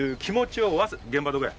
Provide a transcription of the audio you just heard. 現場どこや？